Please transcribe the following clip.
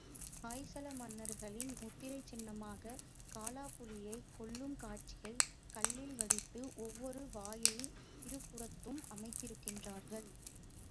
ஹொய்சல மன்னர்களின் முத்திரைச் சின்னமான காலா புலியைக் கொல்லும் காட்சியைக் கல்லில் வடித்து, ஒவ்வொரு வாயிலின் இருபுறத்தும் அமைத்திருக்கிறார்கள்.